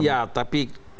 ya tapi etika politiknya